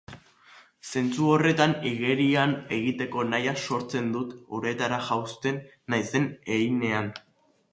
Zentzu horretan igerian egiteko nahia sortzen dut, uretara jauzten naizen heinean.